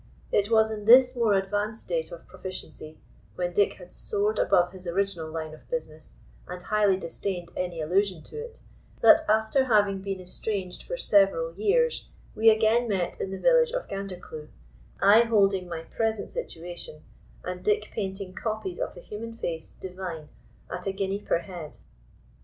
It was in this more advanced state of proficiency, when Dick had soared above his original line of business, and highly disdained any allusion to it, that, after having been estranged for several years, we again met in the village of Gandercleugh, I holding my present situation, and Dick painting copies of the human face divine at a guinea per head.